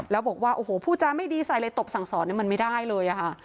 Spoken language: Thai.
แล้วบอกว่าโอ้โหผู้จาไม่ดีใส่เลยตบสั่งสอนมันไม่ได้เลยค่ะ